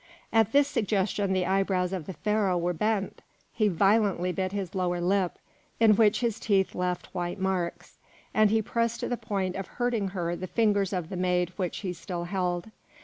At this suggestion the eyebrows of the Pharaoh were bent; he violently bit his lower lip, in which his teeth left white marks, and he pressed to the point of hurting her the fingers of the maid which he still held.